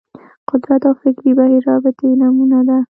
قدرت او فکري بهیر رابطې نمونه ده